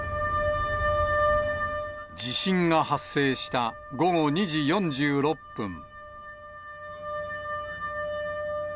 地震が発生した午後２時４６分。